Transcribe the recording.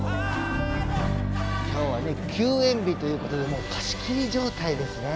今日はね休園日ということでもう貸し切り状態ですね。